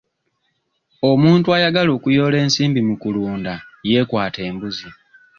Omuntu ayagala okuyoola ensimbi mu kulunda yeekwate embuzi.